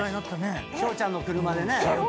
しょうちゃんの車でね。